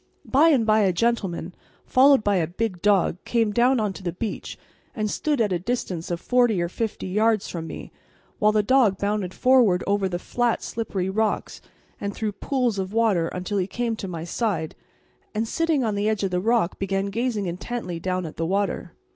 By and by a gentleman, followed by a big dog, came down on to the beach and stood at a distance of forty or fifty yards from me, while the dog bounded forward over the flat, slippery rocks and through pools of water until he came to my side, and sitting on the edge of the rock began gazing intently down at the water.